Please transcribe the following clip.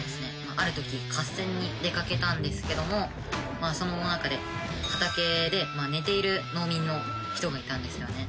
ある時合戦に出かけたんですけどもその中で畑で寝ている農民の人がいたんですよね。